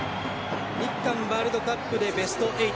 日韓ワールドカップでベスト８。